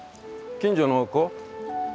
近所の子？